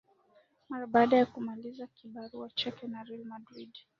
mara baada ya kumaliza kibarua chake na real madrid